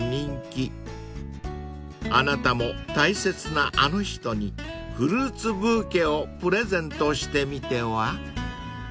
［あなたも大切なあの人にフルーツブーケをプレゼントしてみては？］